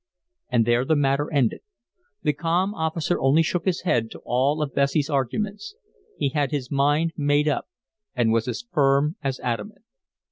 And there the matter ended. The calm officer only shook his head to all of Bessie's arguments; he had his mind made up, and was as firm as adamant.